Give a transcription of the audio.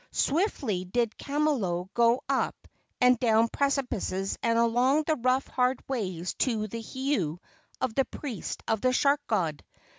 Swiftly did Kamalo go up and down precipices and along the rough hard ways to the heiau of the priest of the shark god.